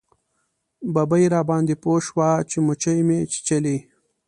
ببۍ راباندې پوه شوه چې موچۍ مې چیچلی.